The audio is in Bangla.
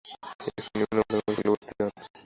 তিনি একটি নিম্ন মাধ্যমিক স্কুলে ভর্তি হন।